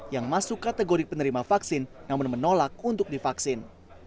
yang masuk kategori penerima vaksin namun menolak untuk divaksin